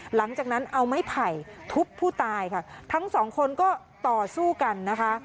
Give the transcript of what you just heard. หลังจากนั้นเอาไม้ไผ่ทุบผู้ตายค่ะทั้งสองคนก็ต่อสู้กันนะคะ